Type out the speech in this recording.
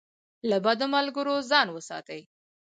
له بدو ملګرو ځان وساتئ.